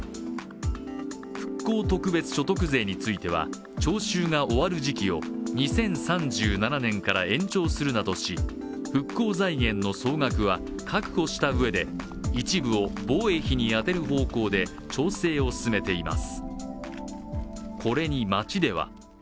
復興特別所得税については徴収が終わる時期を２０３７年から延長するなどし、復興財源の総額は確保したうえで一部を防衛費に充てる方向で調整を進めています。